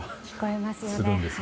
聞こえますよね。